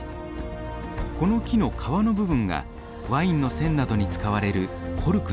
この木の皮の部分がワインの栓などに使われるコルクです。